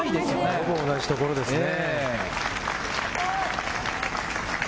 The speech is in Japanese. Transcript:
ほぼ同じところですね。